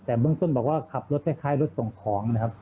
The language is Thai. แต่เบื้องต้นบอกว่าขับรถคล้ายรถส่งของนะครับ